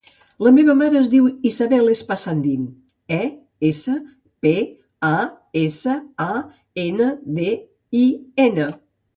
La meva mare es diu Isabel Espasandin: e, essa, pe, a, essa, a, ena, de, i, ena.